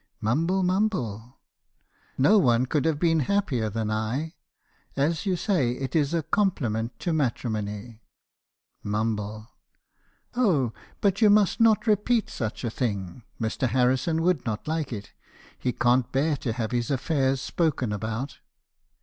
"Mumble, mumble. " 'No one could have been happier than I. As you say, it is a compliment to matrimony.' "Mumble. "' Oh, but you must not repeat such a thing. Mr. Harrison 294 me. haheison's confessions. would not like it. He can't bear to have his affairs spoken about.'